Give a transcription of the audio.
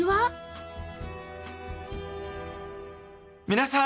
皆さん！